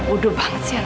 udah banget sih anaknya